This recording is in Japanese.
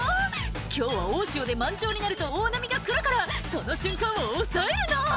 「今日は大潮で満潮になると大波が来るからその瞬間を押さえるの」